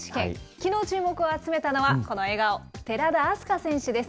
きのう注目を集めたのは、この笑顔、寺田明日香選手です。